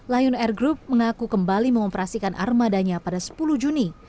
lion air group mengaku kembali mengoperasikan armadanya pada sepuluh juni